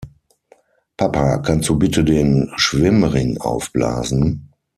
Papa, kannst du bitte den Schwimmring aufblasen?